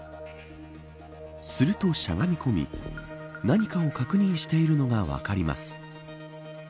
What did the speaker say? すると、しゃがみこみ何かを確認しているのが分かります。